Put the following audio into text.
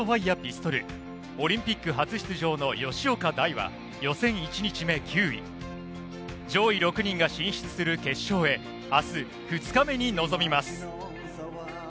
射撃の男子ラピッドファイアピストル、オリンピック初出場の吉岡大は予選１日目９位上位６人が進出する決勝へ、明日２日目に臨みます。